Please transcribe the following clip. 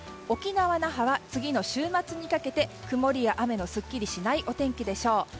沖縄・那覇は次の週末にかけて曇りや雨のすっきりしないお天気でしょう。